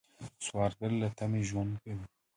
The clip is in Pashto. سوالګر له تمې ژوند کوي